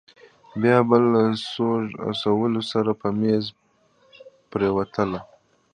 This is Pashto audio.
بيا به له سوړ اسويلي سره په مېز پرېوتله.